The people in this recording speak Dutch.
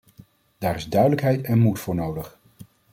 Daar is duidelijkheid en moed voor nodig.